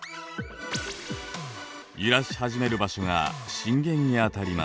揺らし始める場所が震源にあたります。